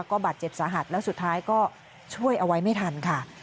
ก็บาดเจ็บสาหัสแล้วสุดท้ายก็ช่วยเอาไว้ไม่ทันค่ะ